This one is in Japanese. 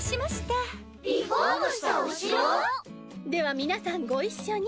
では皆さんご一緒に。